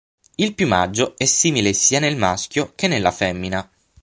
Il piumaggio è simile sia nel maschio che nella femmina.